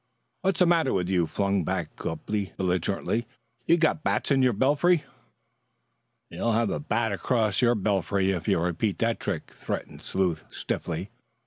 "What's the matter with you?" flung back Copley belligerently. "You've got bats in your belfry." "You'll have a bat across your belfry if you repeat that trick," threatened Sleuth stiffly.